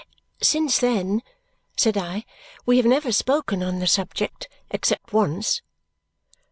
"Since then," said I, "we have never spoken on the subject except once."